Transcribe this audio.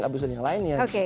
abis itu ada yang lainnya